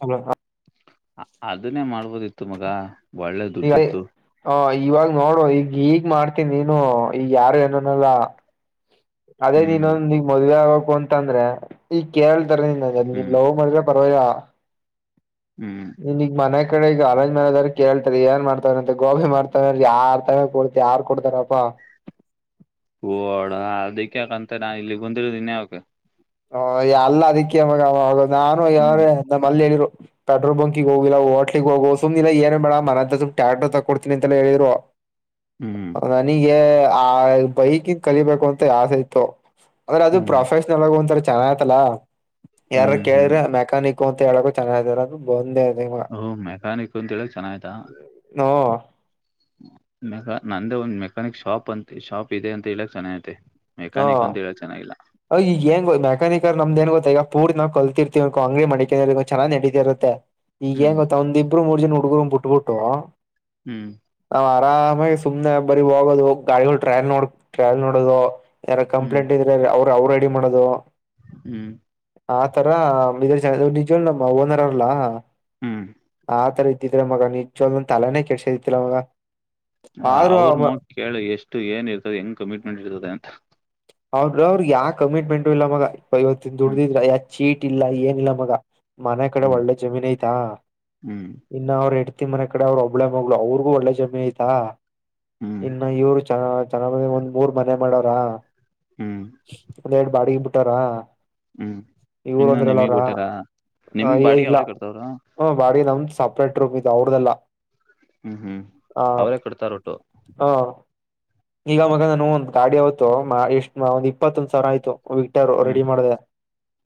ಹಲ ಅದನ್ನೇ ಮಾಡ್ಬೋದಿತ್ತು ತ್ತು ಮಗ ಒಳ್ಳೆ ಈಗ ದುಡ್ಡಿ ಇತ್ತು. ಹ ಇವಾಗ ನೋಡು ಈಗ ಹೀಗ್ ಮಾಡ್ತನ್ಿ ನೀನು ಈಗ ಯಾರು ಏನನಲ್ಲ. ಅದೇ ಹ್ಮ್ ನೀನ್ೊಂದ ನಿಗ್ ಮದ್ವೆ ಆ ಅಂತಂದ್ರೆ ಈ ಕೇೇಳ ವ್ [inaudible] ಹ್ಮ್ ಹ್ಮ್ ನೀನಗ್ ಮನ್ಯ ಈ ಕಡೆ ಈಗ ಅರಂಜ್ ಮನದಾರ ಕೇಳ್ತರಿ ಏನ್ ಮಾಡ್ತವ್ರಂತೆ ಗೋಬಿ ಮಾಡ್ತವ ಯಾರ್ ತಾವ ಕೊಡ್ತಿ ಯಾರ್ ಕೊಡ್ತಾರಪ ಹಓಡ ಅದಕ್ಕೆ್ಯಾಕಂತ ನಾ ಇಲ್ಲಿ ಬಂದಿರ್ದೀನ್ಿ ಯಾವಕ ಹ ಅಲ್ಲ ಅದಕ್ಕೆಾಮಗಾಗ ನಾನು ಹ್ಮ್ ಯಾರೇ ನಮ್ಮಲ್ಲಿ ಹೇಳಿದ್ರು ಪೆಟ್ರೋಲ್ ಬಂಕಿಗೆ ಹೋಗಿಲ್ಲ ಹೋಟ್ಲಿಗೆಗ್ೋಗು ಸುಮ್ನೆಿಲ್ಲ ಏನ ಬೇಡ ಮನೆ ಸುಮ್ ಟ್ಯಾಕ್ಟರ್ ತಕೊಡ್ತನಿಂತೆಲ್ಲ ಹೇಳಿದ್ರು ಹ್ಮ್ ನನಿಗೇ ಆ ಬೈಕಿಿಂದ ಕಲಿಬೇಕು ಅಂತ ಆಸೆ ಇತ್ತು ಆದ್ರ ಅದು ಹ್ಮ್ ಪ್ರೊಫೆಷನಲ್ ಆಗು ಚೆನ್ನಗ ಆಯತಲ್ಲಾ ಯಾರ ಹ್ಮ್ ಹ್ಮ್ ಕೇಳಿದ್ರ ಮೆಕ್ಯಾನಿಕ್ ಕ ಅಂತ ಹೇಳೋಕು ಚೆನ್ನಾಗಾರ ಅದು ಬಂದೇ ಅದ ಇವ ಹಓ ಮೆಕ್ಯಾನಿಕ್ ಅಂತ ಹೇಳಕ್ ಚೆನ್ನ ಆಯ್ತಾ ನೋ ಮೆ ನಂದೇ ಒಂದ್ ಮೆಕಾನಿಕ್ ಶಾಪ್ ಅಂತ ಶಾಪ್ ಇದೆ ಅಂತ ಹೇಳಕ್ ಚೆನ್ನಐತೆ ಹಾ ಈಗ ಏನ್ ಮೆಕ್ಯಾನಿಕರ್ ನಮ್ದ ಏನ್ ಗೊತ್ತ ಈಗ ಪೂರ್ ನಾವ ಕಲ್ತ ರ್ತಿೀವಿ ಅಂಗಡಿ ಮಡಿಕೆಗ ಚೆನ್ನ ನಡದಿರುತ್ತೆ, ಈಗ ಹ್ಮ್ ಏನ್ ಗೊತ್ತ ಒಂದಿಬ್ಬರು ಮೂರ್ ಜನಾ ಹೂಗುನ್ ಬಿಟ್ಟಬಿಟ್ಟುವು ಹ್ಮ್ ಆರಾಮಾಗಿ ಸುಮ್ನೆ ಬರಿ ಹೋಗೋದು ಗಾಡಿಗಳು ಟ್ರೈಲ್ ನೋಡ ಟ್ರೈಲ್ ನೋಡದು ಯಾರ ಹ್ಮ್ ಕಂಪ್ಲೇಂಟ್ ಇದ್ರಲ್ಲಿ ಅವರ ನಾವು ರೆಡಿ ಮಾಡೋದು ಹ್ಮ್ ಆತರ ನಿಜವ ನಿಜ್ವಾಗ್ಲೂ ನಮ್ಮ ಓನರ್ ಅರ್ಲ್ಲ ಹ್ಮ್ ಆ ತರ ಇದ್ರೆ ಮಗ ನಿಜವಾಗ್ಲು ತಲಾನೇ ಕೆಡಿಸ್ಕೊತಿರ್ಲಿಲ್ಲ ಮಗ ಆದ್ರೂ ಅವರು ಅವ್ರ ನೋಡ್ ಕೇಳಿ ಎಷ್ಟು ಏನ್ ಇರ್ತದೆ ಹೆಂಗ್ ಕಮಿಟ್ಮೆಂಟ್ ಇರ್ತದೆ ಅಂತ ಅವ್ರ ಅವ್ರಗ್ ಯಾವ ಕಮಿಟ್ಮೆಂಟ್ ಇಲ್ಲ ಮಗ ಇವತ್ತ ಹ್ಮ್ ದುಡಿದ್ರ ಯ ಚೀಟ್ ಇಿಲ್ಲ ಏನಿಲ್ಲ ಮಗ ಮನೆ ಕಡೆ ಹ್ಮ್ ಒಳ್ಳೆ ಜಮೀನ್ ಐತಾ ಹ್ಮ್ ಇನ್ನ ಆವರಡಿ ಅತ್ತಿ ಮನೆ ಕಡೆ ಅವ್ರು ಒಬ್ಬಳೆ ಮಗಳು ಅವ್ರಿಗೂ ಒಳ್ಳೆಜಮೀನ್ ಆಯತಾ ಹ್ಮ್ ಇನ್ನು ಇವರು ಚ ಚೆನ್ನಾಗಿರು ಒಂದ್ ಮೂರ್ ಮನೆ ಮಾಡೋನಾ ಹ್ಮ್ ಹೇ ಎರಡು ಬಾಡಗಿ ಮ ಇಡ್ತಾರಾ ಹ್ಮ್ ಇನ್ನುೊ ನಿಮಗ್ ಕೊಟ್ಟ್ಯಾರ ನಿಮ್ ಅಯ್ಯ ಬಾಡಿಗೆ ಅವ್ರೇ ಕಡ್ತವರು ಪೇಟ್ರಪ ಅವ್ರ್ದಲ್ಲ ಹ್ಮ್ ಹ್ಮ್ ಅವರೇ ಕೊಡ್ತಾರ ಒಟ್ಟು ಹ ಈಗ ಮಗದುನು ಒಂದು ಗಾಡಿ ಅವವತ್ತುು ಮಾ ಎಷ್ಟು ಮಾ ಇಪ್ಪತ್ತೊಂದು್ ಸಾವರ ಆಯ್ತು ವಿಕ್ಟರ್ ಹ್ಮ್ ರೆಡಿ ಮಾಡಿದೆ ಆ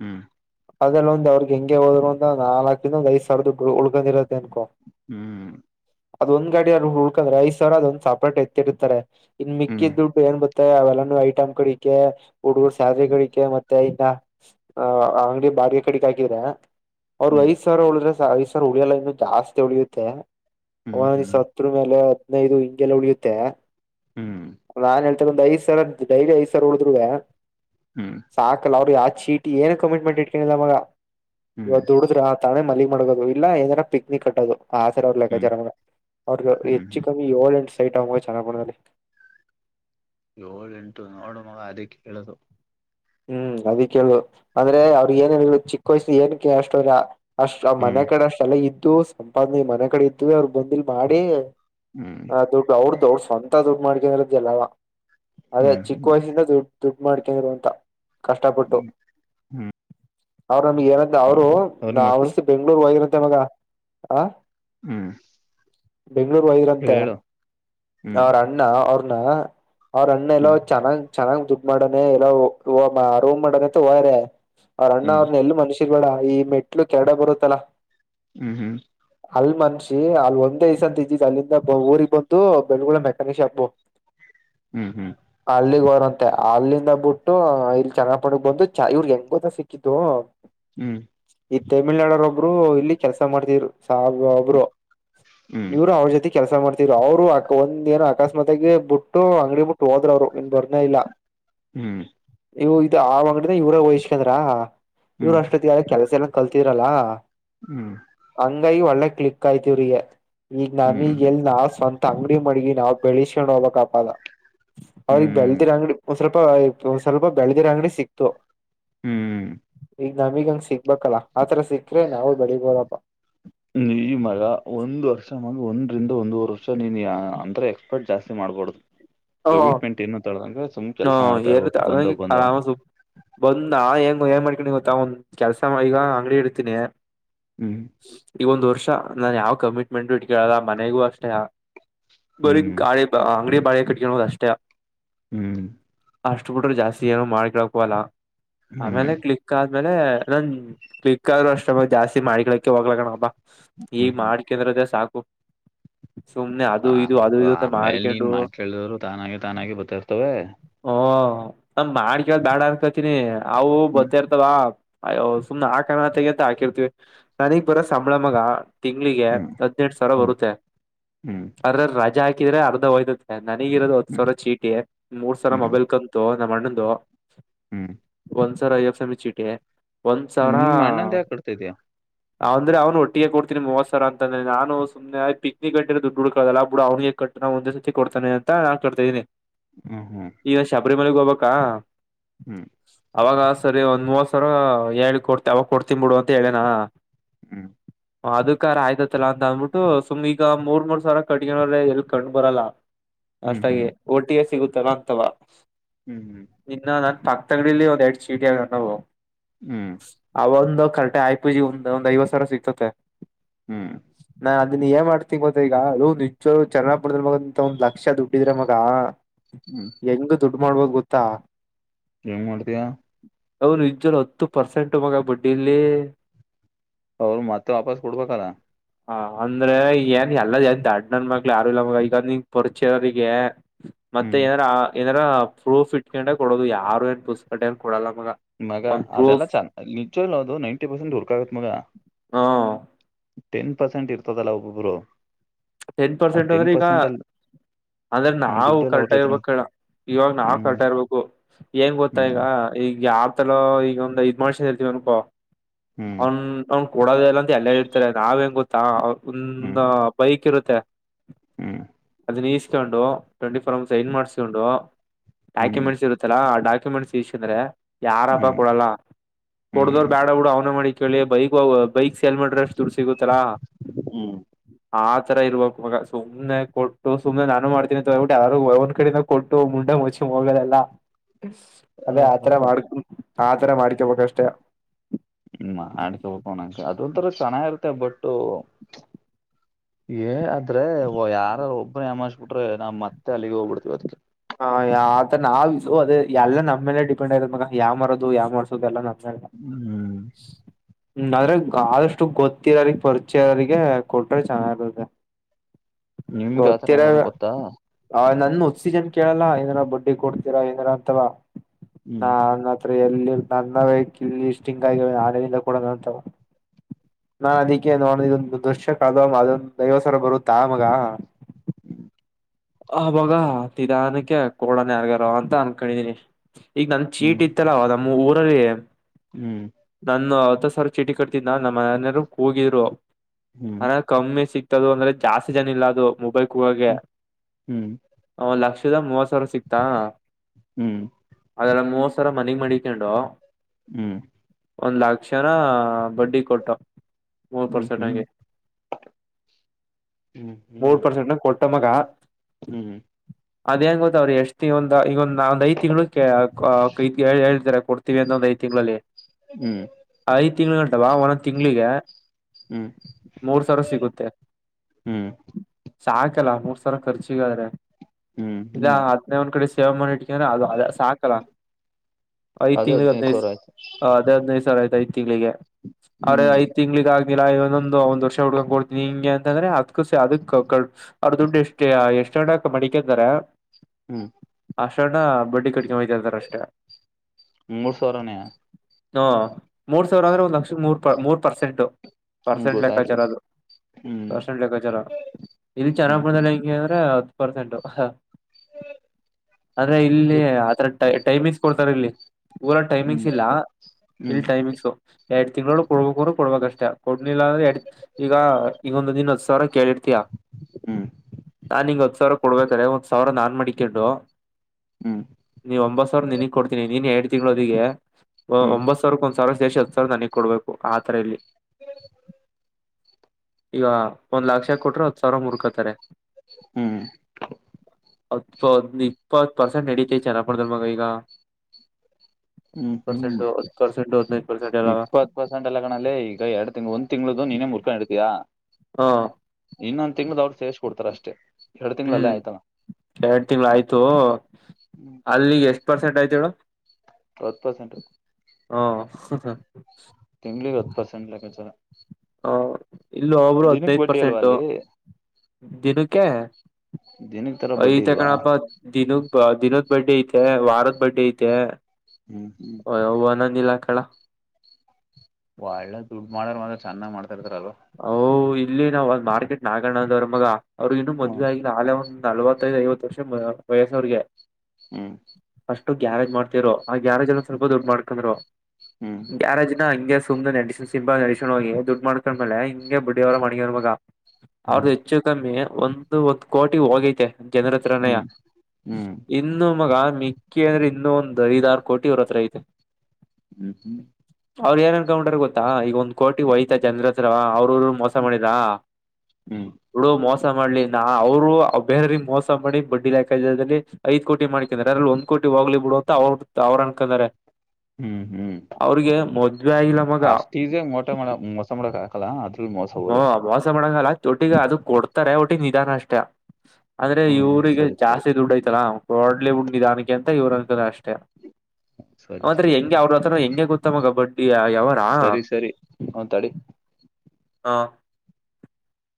ಹ್ಮ್ ಅದಲ್ಲ ಒಂದ ಅವ್ರಿಗೆ ಹೆಂಗೆ ಹೋದ್ ಅಂದ ನಾಲ್ಕರಿಂದ ಒಂದು ಐಸ್ ಸವಿಡ ಉಳ್ಕೊಂಡಿರತ್ತೆ ಹ್ಮ್ ಅದೊಂದ್ ಗಾಡಿ ಅವರು ಉುಳ್ಕಂದ್ರೆ ಐದ ಸಾವಿರ ಅದೊಂದ್ ಸಾಪೇಟ್ ಎತ್ತಿಇಟ್ಟಿರುತ್ತಾರೆ ಇನ್ ಹ್ಮ್ ಮಿಕ್ಕಿದ್ದ ದುಡ್ ಏನ್ತ್ತ ತೆ ಅವೆಲ್ಲನು ಐ ರಾಮಕ ಹುಡುಗರು ಸಾವರಿಗಳಿಗೆ ಮತ್ತೆ ಐ ತ ಇ ಹ ಅಂಗಡಿ ಬಾಡಿಯ ಕಡಿಕ ಹಾಕಿದ್ರ ಅವ್ರು ಹ್ಮ್ ಐದ ಸಾವಿರ ಉಳದ್ರ ಈ ಸರ್ ಐದು ಉಳಿಯಲ್ಲ ಇನ್ನು ಜಾಸ್ತಿ ಉಳಿಯುತ್ತೆ ಹ್ಮ್ ಅವ ಹ್ಮ್ ಸತ್ರು ಮ್ಯಲೆ. ನ ಇದು ಹಿಂಗೆಲ್ಲ ಉಳಿಯುತ್ತೆ. ಹ್ಮ್ ಹ್ಮ್ ನಾನ ಹೇಳ್. ಒಂದು ಐದು ಸರ್ ಡೈಲಿ ಒಂದು ಐದು ಸಾವಿರ ಉಳಿದಿರುವೆ ಹ್ಮ್ ಸಾಕಲ್ಲ ಅವ್ರ ಯಾ. ಚೀಟಿ ಏನ ಕಮಿಟ್ಮೆಂಟ್ ಇಟ್ಕೊಂಡಿಲ್ಲ ಮಗ. ಹ್ಮ್ ಇವತ್ತು ದುಡುದ್ರ ತಳೆ ಮಲಿ. ಮಾಡಗೋದು ಇಲ್ಲ ಏನಾರ ಪಿಕ್ನಿಕ್ ಆಟ್ಟೋದು. ಆರು ಸಾವಿರ ಅವ್ರ ಲೆಕ್ಕಚಾರ್ ಮಾಡಲ್ಲ ಹ್ಮ್ ಹೆಚ್ಚು ಹ್ಮ್ ಕಡಿಮೆ ಏಳೆಂಟು ಸಾವಿರ. ಸೈಟ ಚೆನ್ನಾಗ್ ಬರ್ತೈತಿ. ಏಳು ಎಂಟು ನೋಡು ಮಗ ಅದೇ ಕೇಳದು. ಹ್ಮ್ ಅದಿ ಕೇಳು ಆದ್ರೆ ಅವ್ರಗ್ ಏನಕ್ಕೆ ಚಿಕ್ಕ ವಯಸ್ಸ ಏನಕ್ಕೆ ಅಷ್ಟೊಂದು. ಅಷ್ಟ್ ಆ ಮನೆ ಹ್ಮ್ ಕಡೆ ಅಷ್ಟೆಲ್ಲ ಇದ್ದು ಸಂಪಾದನೆ ಮನೆ ಕಡೆ ಇತ್ತು ಅವ್ರು ಬಂದು ಮಾಡಿ. ಹ್ಮ್ ಆ ದುಡ್ಡು ಅವರದು. ಅವರ ದ ಸ್ವಂತ ದುಡ್ಡ ಮಾಡ್ಕಂದ್ರಲ್ಲ. ಅದೇ ಹ್ಮ್ ಚಿಕ್ಕ ಹ್ಮ್ ವಯಸ್ಸಿಂದ ದು ದುಡ್ಡು ಮಾಡ್ಕೊಂಡಿರುವಂತ. ಕಷ್ಟಪಟ್ಟು. ಹ್ಮ್ ಅವ್ರ ನಮ್ಗೆ ಏನಂತ ಅವ್ರು ಅವ್ರ ಮಕ್ಕಳು ನಾವಸ್ತ್ ಬೆಂಗಳೂರು ಹೋಗದ. ತಾ ಅವಾಗ ಹ್ಹ್. ಹ್ಮ್. ಬೆಂಗಳೂರು ಹೇಳ ಹೋಗಿದ್ರಂತೆ ಹೇಳು ಹ್ಮ್ ಅವ್ರ ಅಣ್ಣ ಅವ್ರ [inaudible] ಅವ್ರಣ್ಣ ಎಲ್ಲೋ ಹ್ಮ್ ಚೆನ್ನಾಗ್ ಚೆನ್ನಾಗಿ ದುಡ್ಡು ಮಾಡವ್ನೆ ಎಲ್ಲೋ ರೂಮ್ ಮಾಡಕಂತ ಹೋಗವ್ರೆ. ಅವರ ಅಣ್ಣ ಹ್ಮ್ ಅವರನ್ನ ಎಲ್ಲಿ ಮನಸ್ಸಿರಬೇಡ. ಈ ಮೆಟ್ಲು ಕೆರಡೆ ಬರುತ್ತಲಾ. ಹ್ಮ್ ಹ್ಮ್. ಅಲ್ಲಿ ಮನ್ಸಿ ಅಲ್ಲ ಒಂದೇ ಸಲ ಅಲ್ಲಿಂದ ಊರಿಗೆ ಬಂದು ಬೆಳಗಳ ಮೆಕಾನಿಕ್ ಶಾಪ್. ಹ್ಮ್ ಹ್ಮ್ ಅಲ್ಲಿಗನತ್ತ. ಅಲ್ಲಿಂದ ಬುಟ್ಟು ಇಲ್ಲಿ ಚೆನ್ನ್ ಪಡ ಬಂದು ಚಾ ಇವ್ರಿಗೆ ಹೆಂಗ್ ಗೊತ್ತ ಸಿಕ್ಕಿದು. ಹ್ಮ್ ಹ್ಮ್ ಈ ತಮಿಳನಾಡು ಒಬ್ರ ಒಬ್ರು ಇಲ್ಲಿ ಕೆಲಸ ಮಾಡ್ತಿದ್ರು ಸಾಬು ಒಬ್ರು ಹ್ಮ್ ನೀವರು ಅವ್ರ ಜೊತೆಗೆ ಕೆಲಸ ಮಾಡ್ತ್ರು, ಅವ್ರು ಅ ಒಂದ್ ಏನೋ ಅಕಸ್ಮಾತ್ತಾಗಿ ಬಿಟ್ಟು ಅಂಗಡಿ ಬಿಟ್ಟು ಹೋದ್ ಅವ್ರು ಇನ್ ಬರ್ನ ಇಲ್ಲ ಹ್ಮ್ ಇವು ಇದು ಆ ಅಂಗಡ ಇವ್ರ ವಯಸ್್ಕ ಅಂದ್ರ ಇವರು ಹ್ಮ್ ಅಷ್ಟೊತ್ತಿಗೆ ಯಾರ ಕೆಲಸ ಎಲ್ಲ ಕಲ್ತಿರಲ್ಲ. ಅಂಗಾಗಿ ಒಳ್ಳೆ ಕ್ಲಿಕ್ ಆಯ್ತಿೀವ್ರಗೆ ಈಗ ನಮೀಗ ಹ್ಮ್ ಎಲ್ ನಾವು ಸ್ವಂತ ಅಂಗಡಿ ಮಡಗಿ ನಾವ್ ಬೆಳಸಕೊಂಡು ಹೋಗ್ಕ್ಪ್ಪಲ್ಲ. ಹ್ಮ್ ಅವ್ರಿಗೆಗ್ ಹ್ಮ್ ಬೆಳದಿರ ಅಂಗಡಿ [inaudible] ಸ್ವಲ್ಪ ಬೆಳದಿರ ಅಂಗಣ ಸಿಕ್ತು ಹ್ಮ್ ಈಗ ನಮೀಗಂಗ ಸಿಗ್ಬೇಕಲ್ಲ. ಆತರ ಸಿಕ್ಕ್ರೆ ನಾವು ಬೆಳಿಬೋದಪ್ಪ ಈ ಮಗ ಒಂದು್ ವರ್ಷ ಮಗ ಒಂದು ್ರಂದ ಒಂದೂವರೆ ವರ್ಷ ನೀನ್ ಅಂದ್ರ ಎಕ್ಸ್ಪೆಕ್ಟ್ ಜಾಸ್ತಿ ಮಾಡ್ಬಾರ್ದದು ಹ ಹ ಕೆಲ್ಸ ಮಾಡ್ತಾ ಏನ್ ಇರ್ಬೇಕು ಅದಗೆ ಬಂದವ್ ಬಂದವ ಆರಾಮ ಬಂದ ಹೆಂಗ ಏನ್ ಮಾಡ್ಕನಿ ಗೊತ್ತ ಒಂದು ಕೆಲಸ ಈಗ ಅಂಗಡಿ ಇಡತೀಿನಿ ಹ್ಮ್ ಈಗೊಂದು ವರ್ಷ ಷ ನಾನ್ ಯಾವ ಕಮಿಟ್ಮೆಂಟ್ು ಇಟ್ಕೇಳಲ್ಲ ಮನೆಗೂ ಅಷ್ಟೇ ಬರಿ ಹ್ಮ್ ಗ ಆಂಗಡಿ ಬಳೆ ಕೇಳುದು ಅಷ್ಟೇ ಹ್ಮ ಅಷ್ಟು ಬಿಟ್ರೆ ಜಾಸ್ತಿ ಏನೋ ಮಾಡ್ಕಳ್ಕಲ್ಲ ಹ್ಮ್ ಆಮೇಲೆ ಕ್ಲಿಕ್ ಆಮೇಲೆ ನನ್ ಕ್ಲಿಕ್ರು ಅಷ್ಟ ಜಾಸ್ತಿ ಮಾ ಡಿಲಕ್ಕೆ ಹೋಗ್ಲಕಣಬ್ ಈ ಹ್ಮ್ ಹ್ಮ್ ಮಾಡ್ಕಂದ್ರ ಅದ ಸಾಕ [unintelligible] ಸುಮ್ನೆ ಅದು ಆ ಇದು ಅದು ಇದು ಅಂತ ಮಾಡ್ಕೊಂಡು ತಾನಾಗಿಿ ತಾನಾಗಿಿ ಬತರ್ತವೆ ಹಾ ನಮ ಮಾಡ್ ಕೇಳ ಬೇಡ ಅನ್ಕತನಿ ಅವು ಹ್ಮ್ ಬೊತ್ತಾರ್ತಾವಾ ಐಯೋ ಸುಮ್ ಆ ಕಣ ತಗಂತ ಹಾಕಿರ್ತಿೀವಿ ನನೀಗ್ ಬರ ಸಂ ಸಾಬಳ ಮಗ ತಿಂಗಳಿಗೆ ಹ್ಮ್ ಹದ್ನೆಂಟ ಸಾವಿರ ಹ್ಮ್ ಬರುತ್ತೆ ಹ್ಮ್ ಅದ್ರೆ ರಾಜ ಹಾಕ್ ಹ್ರೆ ಅರ್ಧ ವೋಯಿತಾದ್ದೇ ನನಗಿರೋದು ಒಂದ್ ಹ್ಮ್ ಸಾವಿರ ಚೀಟಿ ಮೂರ್ ಸಾವಿರ ಹ್ಮ್ ಹ್ಮ್ ಮೊಬೈಲ್ ಕಂತು ನಮ್ಮಣ್ಣಂದೋ ಹ್ಮ್ ಒಂದ್ ಸರ್ [unintelligible] ಚೀಟೆ ಒಂದ್ ಸಾವಿರಾ ನಿಮ್ಮ ಅಣ್ಣಂದ ಯಾಕೆ ಕಡ್ತಾ ಇದೀಯ ಅವ್ರ ಅವ್ನ್ ಒಟ್ಟಿಗೆ ಕೊಡ್ತೀಿ ಮೂವತ್ ಸರ ಅಂದ್ರ ನು್ನೆ ಪಿಕ್ಂಿದೆ ದುಡ್ಡುಡ್ಕದಲ್ಲ ಬಿುಡ ಅವನಿಗೆ ಕಟ್ಟ ಒಂದೇ ಸತಿ ಕೊ ಅಂತ ಕಡಿತಾನಿದೀನಿ ಹ್ಮ್ ಹ್ಮ್ ಮನೆಗ್ ಹೋಗ್ಬೇಕಾ ಹ್ಮ್ ಅವಾಗ ಸರಿ ಒಂದ್ ಮೂವತ್ ಸಾವರ ಹೇಳ ಕೊಡ್ತಿ ಅವಾಗ ಕೊಡ್ತನ್ ಬಿಡು ಅಂತ ಹೇಳೇನಾ ಹ್ಮ್ ಅದಕ್ಕಕಾರ ಆಯ್ತತ್ತಲ್ಲ ಅಂತ ಅಂದ್ಬಿಟ್ಟು ಸುಮ್ ಈಗ ಮೂರ್ ಮೂರ್ ಸಾವಿರ ಕಡಿಗನವ್ರ ಎಲ್ಲಿ ಕಂಡ್ ಬರಲ್ಲ ಹ್ಮ್ ಅಷ್ಟಾಗಿ ಹ್ಮ್ ಓಟಿ ಎ ಸಿಗುತ್ ತರ ಆಗ್ತವಾ ಹ್ಮ್ ಇದ್ನ ನಾ ಪಕ್ಕ ತಂಗಡಡಿಲಿ ಒಂದ್ ಎರಡ್ಡು ಚೀಟಿ ಆ ನಾವು ಹ್ಮ್ ಒಂದು ಕಂಟೆ ಆಯ್ಪುಜಿ ಒಂದ ಒಂದ್ ಐವತ್ತು ಸರ ಸಿಗ್ತತೆ ಹ್ಮ್ ನ ಅ ಅನ್ನ ಏನ್ ಮಾಡ್ತಿ ಬೋ ಈಗ ಅದು ನಿಜರು ಚನ್ನ್ ಬಡಂತ [unintelligible] ಪಕ್ಷ ದುಡ್ಡಿದ್ರೆ ಮಗ ಹ್ಮ್ ಎಂಗ ದುಡ್ ಮಾಡ್ಬೋದು ಗೊತ್ತಾ ಹೆಂಗ್ ಮಾಡ್ತೀಯಾ ಅವನು ನಿಜರು ಹತ್ತು ಪರ್ಸೆಂಟ್ ಮಗ ಬಡ್ಡಿ ಇಲ್ಲಿ ಅವರು ಮತ್ತೆ ವಾಪಸ್ ಕೊಡ್ಬೇಕಲ್ಲ ಹ ಅಂದ್ರೆ ಏನ್ ಎಲ್ಲ ಜಾಸ್ತಿ ದಡ್ ನನ್ ಮಕ್ಲಿ ಯಾರು ಇಲ್ಲ ಮ ಈಗ ನೀ ಪರಿಚಯರಿಗೆ ಮತ್ತೆ ಹ್ಮ್ ಏನ ಆ ಏನಾರ ಪ್ರೂಫ್ ಇಟ್ಕೊಂಡ ಕೊಡೋ ಯಾರುಏ ಪುಸ್ಕಟೆ ಏನ್ ಕೊಡಲ್ಲ ಮಗ ಮಗ ಒಂದ್ ಅದೆಲ್ಲ ಪ್ರೂಫ್ ಚಂದ ನಿಂಚೋ ಇಲ್ಲ ಅದು ನೈಂಟಿ ಪರ್ಸೆಂಟ್ ಹುರ್ಕ ಆಗತ್ ಮಗ ಹಾ ಟೆನ್ ಪರ್ಸೆಂಟ್ ಇರ್ತದಲ್ಲ ಒಬ್ಬೊಬ್ರು ಟೆನ್ ಆ ಪರ್ಸೆಂಟ್ ಟೆನ್ ಅಂದ್ರೆ ಈಗ ಪರ್ಸೆಂಟ್ ಅಲ್ಲಿ ಅಂದ್ರೆ ನಮ್ ನಾವವು ದುಡ್ಡೆಲ್ಲ ಅವ್ರ ಕರೆಕ್ಟ್ ಜೊತೆ ಇರ್ಬೇಕ ಹೇಳ ಇವಾಗ ನಾವ್ ಹ್ಮ್ ಕರೆಕ್ಟ್ ಇರ್ಬೇಕು ಏಂಗ ಗೊತ್ತಾ ಈಗ ಹ್ಮ್ ಈಗ ಯಾವ ತಲ ಈಗೊಂದ ಐದ್ ಮನುಷ್ಯ ಹೇರ್ತೀವ ಅನಕೊ ಹ್ಮ್ ಅವನ್ ಅವ್ನ್ ಕೊಡದಲ್ಲ ಅಂತ ಎಲ್ಲ ಇರ್ತಾರೆ ನಾವ್ ಹೆಂಗ ಗೊತ್ತ [unintelligible] ಹಾ ಒಂದ ಹ್ಮ್ ಬೈಕ್ ಇರತ್ತೆ ಕತ್ತ [inaudible] ಹ್ಮ್ ಇಸ್ಕೊಂಡು ಟ್ವೆಂಟಿ ಫೋರ್ ಅವರ್ಸ್ ಸೈನ್ ಮಾಡಸ್ಕೊಂಡು ಹ್ಮ್ ಡಾಕ್ಯುಮೆಂಟ್ಸ್ ಇರುತ್ತಲ್ಲ ಆ ಡಾಕ ಮ ಶೀಷ ಅಂದ್ರೆ [unintelligible] ಯಾರಪಾ ಹ್ಮ್ ಕೊಡಲ್ಲ ಕೊಡ್ದವರ್ ಹ್ಮ್ ಬ್ಯಾಡ ಬಿಡು ಅವ್ನ ಮಾಡಿ ಕೇಳಿದಬೈಬವ ಬೈಕ್ಸ್ ಸೇಲ್ ಮಾಡಿದ್ರೆ ಅಷ್ಟು ದುಡ್ಡು ಸಿಗತಲ ಹ್ಮ್ ಆ ಇತರ ಇರ್ಬೇಕ್ ಮಗ ಸುಮ್ನೆ ಕೊಟ್ಟು ಸುಮನೆ ನಾನು ಮಾಡ್ತೀನಿಯ್ಬಿಟ್ಟು ಯಾರು ಕಡೆಿನಾಗ [unintelligible] ಕೊಟ್ಟು ಮುಂಡೆ ಮುಚ್ಚಿ ಹೋಗೋದೆಲ್ಲ ಅದೆ ಆಹಾ. ಆತರಮಾಡಕು ಆತರ ಮಾಡಕಬೆಕಷ್ಟೇ ಹ ಆಡ್ಸ ಹಕೋಂ ಅದು ಚೆನ್ನಾಗಿರುತ್ತೆ ಬಟ್ ಏ ಆದ್ರೆ ಯಾರ ಒಬ್ಬ್ರ ಹೆಮಾರ್ಸಬಿಟ್ರೆ ನಾವು ಮತ್ತೆ ಅಲ್ಲಿಗೆ ಹೋಗ್ಬಿಡ್ತೀವಿ ಅದಕ್ಕೆ ಹ ಆತ ನಾವ ಇದು ಅದೆ ಎಲ್ಲಾ ನಮ್ಮ್ಮೇಲೆ ಡಿಪೆಂಡ್ ಆಯ್ದ ಮಗ ಯಾಮಾರೋದು ಯಾಮಾರ್ಸೋದು ಎಲ್ಲಾ ನ ಹ್ಮ್ ಅದ್ರೆ ಆದಷ್ಟು ಗೊತ್ತಿರೋ ಪರಿಚಯರಿಗೆ ಕೊಟ್ರೆ ಚೆನ್ನಾಗಿರುತ್ತೆ ನಿಮ್ಗ ಆತರ ಏನಾದಾರೂ ಗೊತ್ತಾ ಕ್ಸಿಜನ್ [unintelligible] ಕೇಳಲ್ಲಏನಾರ ಬಡ್ಡಿ ಕೊಡ್ತೀರಾ ಏನಾರ ಅಂತವಾ ನಾ ಹ್ಮ್ [unintelligible] ಎಲ್ಲಿ ನನ್ನ ವೆಹಿಲ್ ಇಷ್ಟು ಹಿಂಗ ಆಗ್ಯವ ಆನೆಯಿಂದ ಕೂಡ ನಂತಾವ [unintelligible] ನಾನ್ ಅದಿಕ್ಕೆ ನೋಣ ಇದೊಂದು್ ದೃಶ್ಯ ಕಾದ ಅದೊಂದು ದಯವ ಸರ ಬರುತ್ತಾ ಆ ಮಗ ಹ್ಮ್ ಆವಾಗ ನಿಧಾನಕ್ಕೆ ಕೂಡಾನೆ ಆಗ್ಯಾರ ಅಂತ ಅನ್ಕೊಂಡಿದೀನಿ [unintelligible] ಈಗ ನನ್ ಹ್ಮ್ ಚೀಟ್ ಇತ್ತಲ್ಲ ಅವದ ಊರಲ್ಲಿ ಹ್ಮ್ ನಾನುದು [unintelligible] ಹತ್ತು ಸಾವಿರ ಚೀಟಿ ಕಟ್ತಿದ್ನ ನಮ್ಮ ಮನೆರು ಕೂಗಿದ್ರು ಹ್ಮ್ ಅ ಕಮ್ಮಿ ಸಿಗ್ತ ತಗೊ ಅಂದ್ರೆ ಜಾಸ್ತಿ ಜನ ಇಲ್ಲ ಅದುಮೊಬೈಲ್ ಕವಗೆ ಹ್ಮ್ [unintelligible] ಹ್ಮ್ ಹೌ ಲಕ್ಷದ ಮುವತ್ ಸ್ ಸಿತಾ ಹ್ಮ್ ಅದೆಲ್ಲ ಮೋಸರ [unintelligible] ಮನೆ ಮಡಿಕೊಂಡ ಹ್ಮ್ ಒಂದ್ ಲಕ್ಷನಾ ಬಡ್ಡಿ ಕೊಟ್ಟ ಮೂರ್ ಹ್ಮ್ ಪರ್ಸೆಂಟ್ ಹ್ಮ್ ಹಂಗೆ ಹ್ಮ್ ಮೂರ್ ಪರ್ಸೆಂಟ್ಂಗ ಕೊಟ್ಟ ಮಗ ಹ್ಮ್ ಹ್ಮ್ ಅದೇಂಗ ಗೊತ್ತ ಅವ್ರೀ ಎಷ್ಟ ಒಂದ ಈಗೊಂದ್ ನಾವ ಒಂದ್ ಐ್ ತಿಂಗಳುಳ್ರ ಕೊಡ್ [unintelligible] ವಿ ಅಂತ ಒಂದು ಐ ತಿಂಗ್ಳಗೆ ಹ್ಮ್ ತಿಂಳ ಗಂಟವಾ ಒಂದ್ ತಿಂಗ್ಳಿಗೆ ಹ್ಮ್ ಮೂರ್ ಸಾವ್ರ ಸಿಗುತ್ತೆ ಹ್ಮ್ ಸಾಕ್ ಅಲ್ಲ ಮೂರ್ ಸಾವ್ರ ಖರ್ಚ್ ಸಿಗಾದ್ರೆ ಹ್ಮ್ ಇಲ್ಲಾ ಹ್ಮ್ ಅದ್ನೇ ಒಂದ್ ಕಡೆಸ್ ಸ ಮನ [unintelligible] ಏ ಅದು ಅದ ಸಾಕಲ್ಲ ಐದ್ ಅದು ತಿಂಗ್ಳಿಗೆ ಹದ್ನೈದು ಹದಿನೈದು ಸಾವಿರ ಆಯ್ತು ಅದ್ ಅನೈದ್ ಸಾವ್ರ ಆಯ್ತು ಐದ್ ತಿಂಗ್ಳಿಗೆ ಅವ್ರೆ ಹ್ಮ್ ಐದ್ ತಿಂಗ್ಳಗ್ ಆಗಿಲ್ಲ ಐವತ್ ಇನ್ನೊಂದು ಒಂದ್ ವರ್ಷ ಬುಡ್ಕೊಂಡ್ ಕೊಡ್ತೀನಿ ಹಿಂಗೆ ಅಂತಂದ್ರೆ ಅದ್ಕುಸೆ ಅದ ಅವ್ರ ದುಡ್ಡ ಎಷ್ಟ ಎಷ್ಟ [unintelligible] ಮಾಡಿಕತಾರೆ ಹ್ಮ್ ಆಷಣ ಬಡ್ಡಿ ಕಡಿ ಮುರ್ಸವ್ರನೇ ಹೂ ಮೂರ್ ಸಾವಿರ ಅಂದ್ರೆ ಒಂದ್ ಲಕ್ಷ ಮೂರ್ ಪ ಮೂರ್ ಪರ್ಸೆಂಟ್ ಹ್ಮ್ ಪರ್ಸೆಂಟ್ ಗೊತ್ತಾಯ್ತು ಲೆಕ್ಕಾಚಾರ ಅದು ಹ್ಮ್ ಪರ್ಸೆಂಟ್ ಲೆಕ್ಕಾಚಾರ ಇಲ್ಲಿ ಹ್ಮ್ ಜನಪದದಲ್ಲಿ ಹೆಂಗಗೆ ಅಂದ್ರೆ ಪರ್ಸೆಂಟು ಹ ಆದ್ರೆ ಇಲ್ಲಿ ಹ್ಮ್ ಅತರ ಟೈಮಿಂಗ್ಸ್ ಕೊಡ್ತಾರೆ ಇಲ್ಲಿ ಉರಲ್ ಹ್ಮ್ ಟೈಮಿಂಗ್ಸ್ ಇಲ್ಲ ಇಲ್ಲಿ ಹ್ಮ್ ಟೈಮಿಂಗ್ಸು ಎರಡ್ ತಿಂಗಳೂಲ್ಗೆ ಕೊಡ್ಬೇಕು ಅಂದ್ರೆ ಕೊಡ್ಬೇಕು ಅಷ್ಟೇ ಕೊಡ್ನಿಲ್ಲ ಅಂದ್ರೆ ಈಗ ಈಗೊಂದು ದಿನ ಸಾವ್ರ ಕೇಳಿರ್ ತಿಯ ಹ್ಮ್ ನಾನ್ ನಿಂಗ್ ಹತ್ಸ್ ಕೊಡಬೇಕಾದರೆ ಒಂದ್ ಸಾವ್ರ್. ಸಾವ್ರ ನಾನ್ ಮಡಿಕಂಡು. ಇನ್ ಒಂಬತ್ ಸಾವ್ರ ನಿನಗ್ ಕೊಡ್ತೀನಿ ನೀನ್ ಎಡ್ ತಿಗಳೋದಿಗೆ. ಒ ಹ್ಮ್ ಒಂಬತ್ ಸಾವ್ರುಕ್ ಒನ್ಸ್ ಸಾವ್ರ ಸೇರ್ಸಿ ಹತ್ ಸಾವ್ರ ನನಿಗೆ ಕೊಡ್ಬೇಕು ಆ ತರ ಇರಲಿ. ಹ [inaudible] ಇಗ. ಒಂದ ಲಕ್ಷ ಕೊಟ್ರ ಹತ್ ಸಾವ್ರ ಮುರ್ಕತ್ ತ್ತಾರೆ. ಹ್ಮ್ ಹತ್ತು ಹದಿನೈದು ಇಪ್ಪತ್ತು ಪರ್ಸೆಂಟ್ ನಡಿತೈತಿ ಚನ್ನಾಪುರದಲ್ಲಿ ಮಗ ಈಗ. ಹ್ಮ್ ಹ್ಮ್ ಪರ್ಸೆಂಟ್ ಹತ್ ಪರ್ಸೆಂಟ್ ಹದ್ನೈದು ಪರ್ಸೆಂಟ್ ಎಲ್ಲ ಇಪ್ಪತ್ ಪರ್ಸೆಂಟ್ ಅಲ್ಲ ಕಣ ಲೇ ಈಗ ಎರಡ್ ತಿಂಗಳು ಒಂದ್ ತಿಂಗ್ಳ. ಅ ನೀನೇ ಮುರ್ಕೊಂಡು ಎಡ್ತಯಾ. ಹಾ. ಇನ್ನೊಂದ್ ತಿಂಗಳುದು ಅವ್ರು ಸೇರಿಸಿ ಕೊಡ್ತಾರ ಅಷ್ಟೇ. ಎರಡ್ ಹ್ಮ್ ತಿಂಗ್ಳಲ್ಲೇ ಆಯ್ತಲ್ಲ ಎರಡ್ ತಿಂಗಳ ಆಯ್ತು ಅಲ್ಲಿಗೆ ಎಷ್ಟ್ ಪರ್ಸೆಂಟ್ ಆಯ್ತು. ಹೇಳು. ಹತ್ತು ಪರ್ಸೆಂಟ್. ಹ. ನಿಂಗ ಹತ್ತು ಪರ್ಸೆಂಟ್ತ ಲೆಕ್ಕ ಚಾರ. ಹೌ. ಇಲ್ಲ ಒಬ್ರು ಹದಿನೈದು ಅಲ್ವಾ ಪರ್ಸೆಂಟು ಅಲ್ಲಿ ದಿನಕ್ಕೆ. ದಿನಕ್ ತರ ಬಡ್ಡಿ ಇಲ್ವಾ ಐತೆಕಣಪ್ಪ ದಿನೂ ದಿನದ ಬಡ್ಡಿ ಐತೆ ವಾರದ ಬಡ್ಡಿ ಐತೆ. ಹ್ಮ್ ಹ್ಮ್. ನಿಲಕಳ. ಮಾಡು ಮಾಡು ಚೆನ್ನಾಗ್ ಮಾಡ. ತರಲ್ಲ ಅಲ್ವ ಅವು ಇಲ್ಲಿ ನಾವು ಒಂದ ಮಾರ್ಕೆಟ್ ಆಗೋಣ ಅಂದ್ರ ಮಗ. ಅವ್ರರು ಇನ್ನೂ ಮದ್ವೆ ಅಷ್ಟ ಆಗಿಲ್ಲ ಆಗ್ಲೇ ಒಂದ್ ನಲವತ್ತೈದು ಐವತ್ತು ವರ್ಷ ವಯಸ್ಸವ್ರಿಗೆ. ಹ್ಮ. ಅಷ್ಟು ಗ್ಯಾರೇಜ್ ಮಾಡ್ತಿರರು. ಆ ಗ್ಯಾರೇಜ್ಲ್ಲ ಸ್ವಲ್ಪ ದುಡ್ಡ ಮಾಡ್ಕಂಡ್ರು ಗ್ಯಾರೇಜ್ ನ ಅಂಗೆ. ಸುಮ್ನೆ ನಡಿಶನ್ ದುಡ್ಡು ಮಾಡ ಮೇಲೆ ಹಿಂಗೆ ಬಡ್ಡಿ ವ್ಯವಹಾರ ಮಾಡಿಕೊಂಡು ಮಗ. ಅವ್ರ್ ದ್ ಹೆಚ್ಚು ಕಮ್ಮಿ ಒಂದು ಹತ್ ಕೋಟಿ ಹೋಗೈತೆ ಜನರ ಹತ್ರನೆಯ ಇನ್ನು ಮಗ ಮಿಕ್ಕಿ ಅಂದ್ರೆ ಇನ್ನೊಂದ್ ದೈದಾರ್ ಕೋಟಿ ಅವ್ರ್ ಹತ್ರ ಐತೆ. ಅವ್ರ್ ಏನನ್ಕೊಂಬಿಟ್ಟೋರ್ ಗೊತ್ತಾ ಈಗ ಒಂದ್ ಕೋಟ್ [unintelligible] ಹೋಯ್ತೈತ್ ಅಂದ್ರೆ [unintelligible] ಅವ್ರು ಮೋಸ ಮಾಡಿರ [unintelligible] ಮೋಸ ಮೋಸ ಮಾಡ್ಲಿ ನಾ ಅವ್ರು ಬೇರ್ರಿಗೆ ಮೋಸ ಮಾಡಿ ಬಡ್ಡಿ ಹಾಕೋ ಜಾಗದಲ್ಲಿ ಐದ್ ಕೋಟಿ ಮಾಡ್ಕಂದ್ರ ಅದ್ರಲ್ ಒಂದ್ ಕೋಟಿ ಹೋಗ್ಲಿ ಬಿಡು ಅಂತ ಅವ್ರ ಅವ್ರ ಅನ್ಕಂತಾರೆ ಹ್ಮ್ ಹ್ಮ್ ಮದ್ವೆ ಆಗಿಲ್ಲ ಮಗ ಅಷ್ಟ್ ಈಜಿಯಾಗ್ ಮೋಟ ಮಾಡ ಮೋಸ ಮಾಡಕ ಅಲಾ ಅದು ಹೂಂ ಮೋಸ ಮಾಡಂಗಲ್ಲ ಚೊಟ್ಟಿಗೆ ಅದು ಕೊಡ್ತಾರೆ ಒ ಟಿಗ್ ನಿಧಾನ ಅಷ್ಟೆ ಅಂದ್ರೆ ಹ್ಮ ಇವ್ರಿಗೆ ಸರಿ ಸರಿ ಜಾಸ್ತಿ ದುಡ್ ಐತಲ್ಲಾ ಕೊಡ್ಲಿ ಬಿಡು ನಿಧಾನುಕೆ ಅಂತ ಇವ್ರ್ ಅಂತಾರ್ ಅಷ್ಟೇ ಸರಿ ಅವ್ರ್ ಹತ್ರ ಸರಿ ಹೆಂಗೆ ಅವ್ರ್ ಹತ್ರ ಹೆಂಗೆ ಗೊತ್ತ ಮಗ ಬಡ್ಡಿ ಯ ಯವಾರಾ? ಸರಿ ಸರಿ ಹ್ ತಡಿ ಹಾಂ